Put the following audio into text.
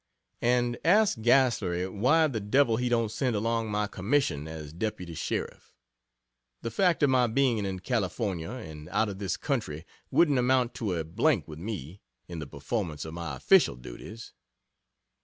And ask Gaslerie why the devil he don't send along my commission as Deputy Sheriff. The fact of my being in California, and out of his country, wouldn't amount to a d n with me, in the performance of my official duties.